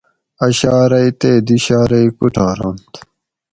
اۤ شارئی تے دی شارئی کُوٹھارنت